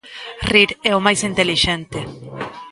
Rir é o máis intelixente.